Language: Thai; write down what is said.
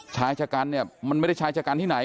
ชายชะกันเนี่ยมันไม่ได้ชายชะกันที่ไหน